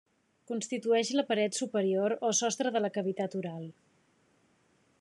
Constitueix la paret superior o sostre de la cavitat oral.